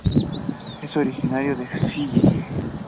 Es originaria de Fiyi.